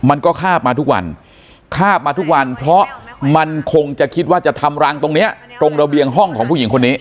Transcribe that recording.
มันก็คาบมาทุกวันคาบมาทุกวันเพราะมันคงจะคิดว่าจะทำรังตรงเนี้ยตรงระเบียงห้องของผู้หญิงคนนี้